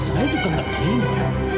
saya juga gak terima